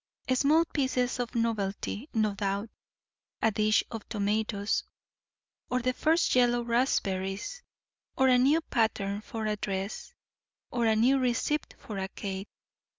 Small pieces of novelty, no doubt; a dish of tomatoes, or the first yellow raspberries, or a new pattern for a dress, or a new receipt for cake.